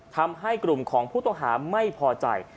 ทำให้กลุ่มของผู้ต้องหาไม่พอใจ